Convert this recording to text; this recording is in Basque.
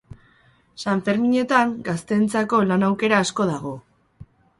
Sanferminetan gazteentzako lan aukera asko dago.